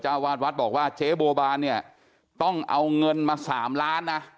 วาดวัดบอกว่าเจ๊บัวบานเนี่ยต้องเอาเงินมา๓ล้านนะ